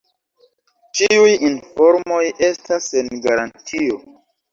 Ĉiuj informoj estas sen garantio.